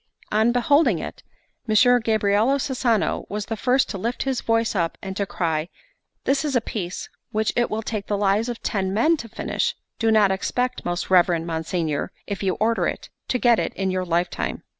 On beholding it, Messer Gabriel Cesano was the first to lift his voice up, and to cry: "This is a piece which it will take the lives of ten men to finish: do not expect, most reverend monsignor, if you order it, to get it in your lifetime.